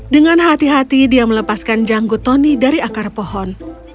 dengan hati hati dia melepaskan janggut tony dari akar pohon